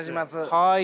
はい。